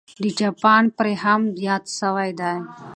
د جاپان بری هم یاد سوی دی.